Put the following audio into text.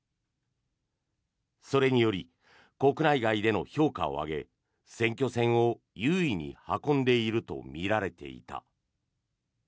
それにより国内外での評価を上げ選挙戦を優位に運んでいるとみられていた。